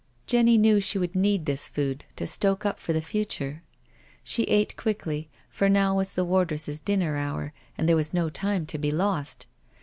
Jenny knew she would need this food to stoke up for the future. She eat quickly, for now was the wardresses dinner hour, and there was no time to be lost.